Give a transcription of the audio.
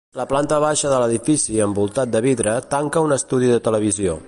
La planta baixa de l'edifici, envoltat de vidre, tanca un estudi de televisió.